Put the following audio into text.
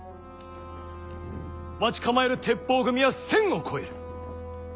待ち構える鉄砲組は１，０００を超える。